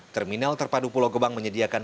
terminal terpadu pulau gebang menyediakan